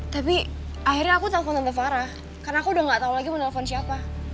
tapi akhirnya aku telfon tante farah karena aku udah gak tau lagi mau telfon siapa